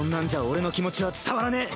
俺の気持ちは伝わらねぇ。